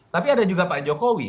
tapi ada juga pak jokowi